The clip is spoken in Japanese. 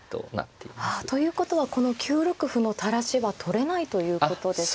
ということはこの９六歩の垂らしは取れないということですか。